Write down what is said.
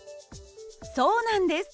そうなんです。